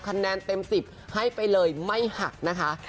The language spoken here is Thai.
คะแนนเต็ม๑๐ให้ไปเลยไม่หักนะคะ